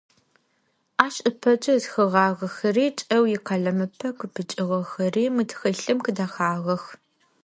Ащ ыпэкӏэ ытхыгъагъэхэри, кӏэу икъэлэмыпэ къыпыкӏыгъэхэри мы тхылъым къыдэхьагъэх.